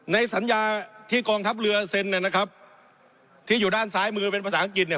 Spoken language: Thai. ในสัญญาที่กองทัพเรือเซ็นเนี่ยนะครับที่อยู่ด้านซ้ายมือเป็นภาษาอังกฤษเนี่ย